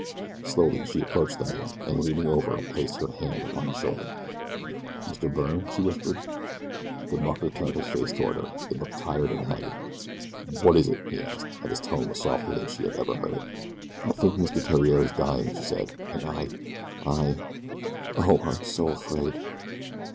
Slowly she approached the man, and leaning over placed her hand upon his shoulder. "Mr. Byrne!" she whispered. The mucker turned his face toward her. It looked tired and haggard. "Wot is it?" he asked, and his tone was softer than she had ever heard it. "I think Mr. Theriere is dying," she said, "and I I Oh, I am so afraid."